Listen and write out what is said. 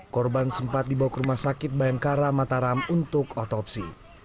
korban sempat dibawa ke rumah sakit bayangkara mataram untuk otopsi